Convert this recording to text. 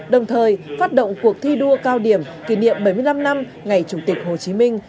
đồng thời phát động cuộc thi đua cao điểm kỷ niệm bảy mươi năm năm ngày chủ tịch hồ chí minh